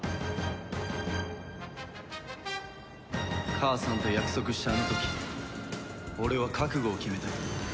母さんと約束したあの時俺は覚悟を決めた。